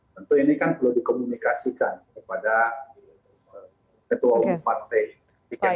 tentu ini kan perlu dikomunikasikan kepada ketua umum partai